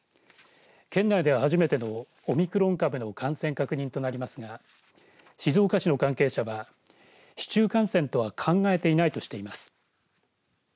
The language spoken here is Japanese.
県内では初めてのオミクロン株の感染確認となりますが静岡市の関係者は市中感染とは考えていないとしています。